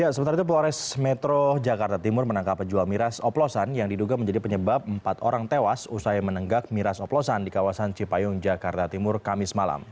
sementara itu polres metro jakarta timur menangkap penjual miras oplosan yang diduga menjadi penyebab empat orang tewas usai menenggak miras oplosan di kawasan cipayung jakarta timur kamis malam